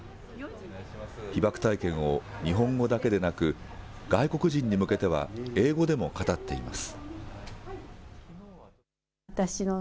被爆体験を日本語だけでなく、外国人に向けては英語でも語っています。